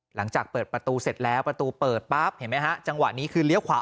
หลังจากเปิดประตูเสร็จแล้วประตูเปิดปั๊บเห็นไหมฮะจังหวะนี้คือเลี้ยวขวา